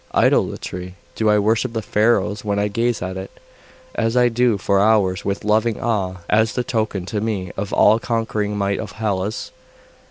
'Idolatry? Do I worship the Pharos when I gaze at it, as I do for hours, with loving awe, as the token to me of the all conquering might of Hellas?